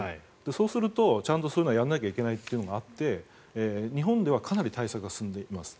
そうするとちゃんとそういうのはやらないといけないというのがあって日本ではかなり対策は進んでいます。